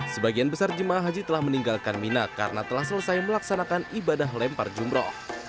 sebagian besar jemaah haji telah meninggalkan mina karena telah selesai melaksanakan ibadah lempar jumroh